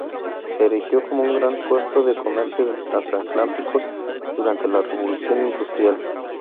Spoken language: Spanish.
Se erigió como un gran puerto de comercio de trasatlánticos durante la Revolución industrial.